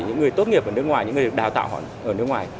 những người tốt nghiệp ở nước ngoài những người được đào tạo ở nước ngoài